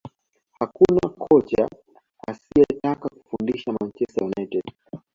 Hakuna kocha asiyetaka kufundisha Manchester United